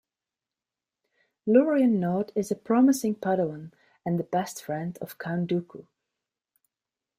Lorian Nod is a promising Padawan and the best friend of Count Dooku.